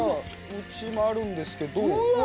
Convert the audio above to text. うちもあるんですけどうわ